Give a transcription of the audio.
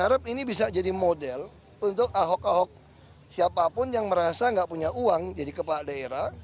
harap ini bisa jadi model untuk ahok ahok siapapun yang merasa nggak punya uang jadi kepala daerah